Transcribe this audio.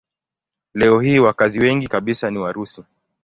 Leo hii wakazi wengi kabisa ni Warusi.